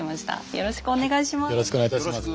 よろしくお願いします。